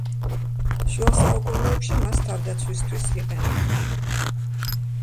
შუა საუკუნეებში მას თავდაცვისთვის იყენებდნენ.